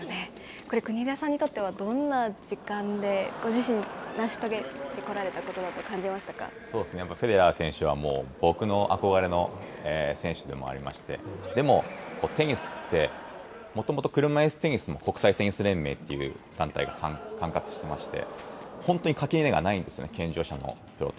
これ、国枝さんにとっては、どんな時間で、ご自身、成し遂げてこそうですね、やっぱりフェデラー選手はもう、僕の憧れの選手でもありまして、でもテニスって、もともと車いすテニスも、国際テニス連盟っていう団体が管轄してまして、本当に垣根がないんですよ、健常者と。